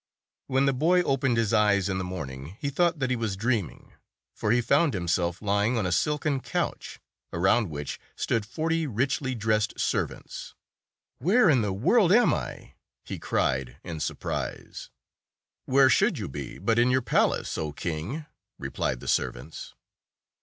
When the boy opened his eyes in the morn ing, he thought that he was dreaming, for he found himself lying on a silken couch, around which stood forty richly dressed servants. "Where in the world ami?" he cried in 183 * surprise. "Where should you be but in your palace, O king! " replied the servants.